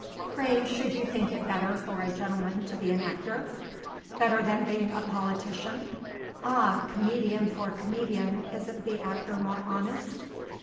"Pray should you think it better for a gentleman to be an actor?" "Better than being a politician? Ah, comedian for comedian, isn't the actor more honest?"